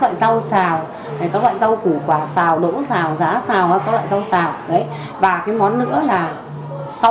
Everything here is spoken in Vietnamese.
loại rau xào này các loại rau củ quả xào đỗ xào giá xào các loại rau xào đấy và cái món nữa là sau